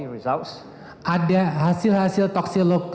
ada penundaan dalam pengumpulan spesimen toxicology results